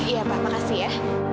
iya pak makasih ya